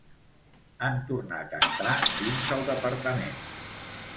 Han tornat a entrar dins el departament.